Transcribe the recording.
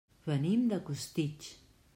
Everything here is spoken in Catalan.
Venim de Costitx.